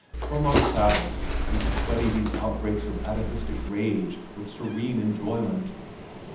From our saddles we could study these outbreaks of atavistic rage with serene enjoyment.